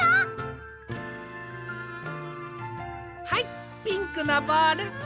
はいピンクのボール。